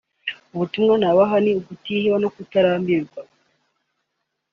ubutumwa nabaha ni ukutiheba no kutirambirwa